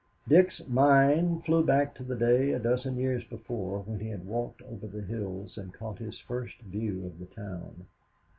Dick's mind flew back to the day a dozen years before when he had walked over the hills and caught his first view of the town.